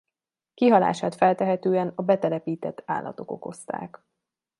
Kihalását feltehetően a betelepített állatok okozták.